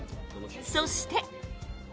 そして。